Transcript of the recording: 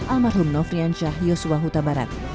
almarhum nofri dianca yosua huta barat